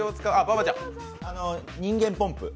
人間ポンプ。